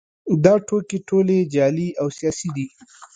دا ټوکې ټولې جعلي او سیاسي دي